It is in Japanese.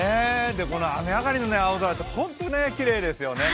この雨上がりの青空って本当にきれいですね。